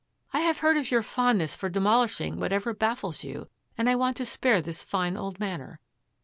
" I have heard of your fondness for de molishing whatever baffles you and I want to spare this fine old Manor.